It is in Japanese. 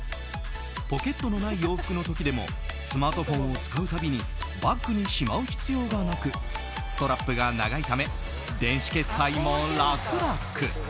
ポケットのない洋服の時でもスマートフォンを使う度にバッグにしまう必要がなくストラップが長いため電子決済も楽々。